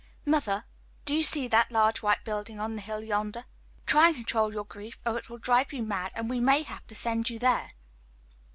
"Mother, do you see that large white building on the hill yonder? Try and control your grief, or it will drive you mad, and we may have to send you there."